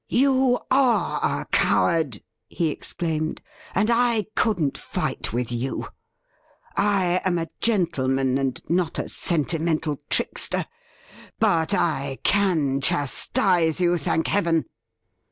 A LEAP IN THE DARK 305 ' You are a cowaxd,' he exclaimed, ' and I couldn't fight with you! I am a gentleman, and not a sentimental trickster ! But I can chastise you, thank Heaven